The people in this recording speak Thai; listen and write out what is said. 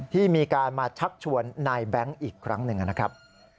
ที่มีการมาชักชวนนายแบงค์อีกครั้งหนึ่งนะครับ